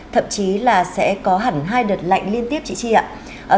thậm chí là sẽ có hẳn hai đợt lạnh liên tiếp chị ạ